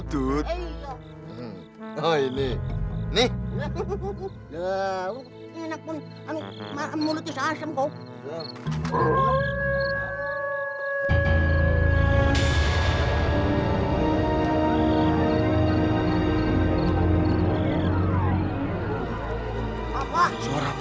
sebentar lagi kamu muncah darah